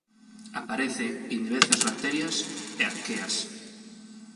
Aparece en diversas bacterias e arqueas.